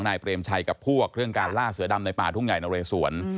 เปรมชัยกับพวกเรื่องการล่าเสือดำในป่าทุ่งใหญ่นเรสวน